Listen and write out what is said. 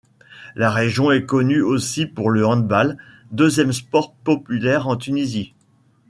La région est connue aussi pour le handball, deuxième sport populaire en Tunisie.